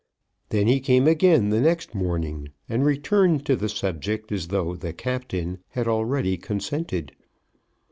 Then he came again the next morning, and returned to the subject as though "the Captain" had already consented.